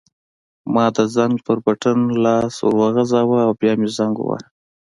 ما د زنګ په بټن پسې لاس وروغځاوه او بیا مې زنګ وواهه.